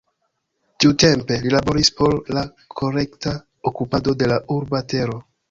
Tiutempe, li laboris por la korekta okupado de la urba tero.